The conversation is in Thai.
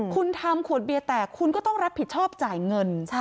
คุณทำขวดเบียร์แตกคุณก็ต้องรับผิดชอบจ่ายเงิน